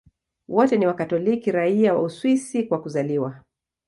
Wote ni Wakatoliki raia wa Uswisi kwa kuzaliwa.